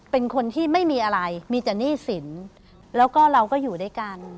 เป็นคนที่ไม่มีอะไรมีแต่หนี้สินแล้วก็เราก็อยู่ด้วยกัน